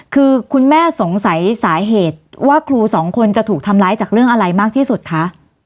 คือคุณแม่สงสัยสาเหตุว่าครูสองคนจะถูกทำร้ายจากเรื่องอะไรมากที่สุดคะ